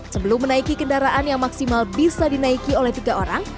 sebelum menaiki kendaraan yang maksimal bisa dinaiki oleh tiga orang